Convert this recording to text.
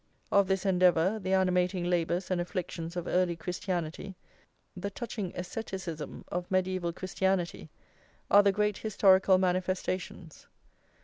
Of this endeavour, the animating labours and afflictions of early Christianity, the touching asceticism of mediaeval Christianity, are the great historical manifestations.